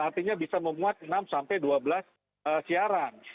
artinya bisa memuat enam sampai dua belas siaran